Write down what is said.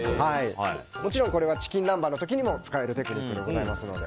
もちろんこれはチキン南蛮の時にも使えるテクニックでございますので。